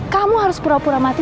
kamu harus pura pura mati